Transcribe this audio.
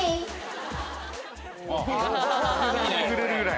くぐれるぐらい。